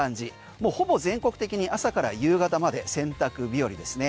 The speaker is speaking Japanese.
もうほぼ全国的に朝から夕方まで洗濯日和ですね。